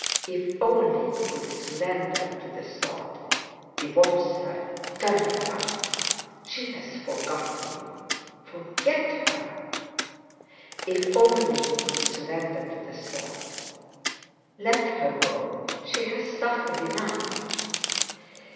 If only he could surrender to the thought: "Divorce her—turn her out! She has forgotten you. Forget her!" If only he could surrender to the thought: "Let her go—she has suffered enough!"